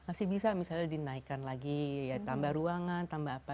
masih bisa misalnya dinaikkan lagi ya tambah ruangan tambah apa